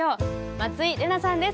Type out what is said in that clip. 松井玲奈さんです。